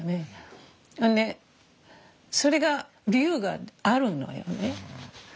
それが理由があるのよね。